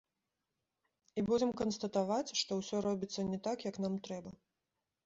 І будзем канстатаваць, што ўсё робіцца не так, як нам трэба.